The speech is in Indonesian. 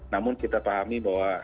namun kita pahami bahwa